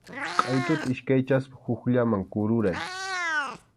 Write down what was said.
Qʼaytuta iskaychaspa hukllaman kururay.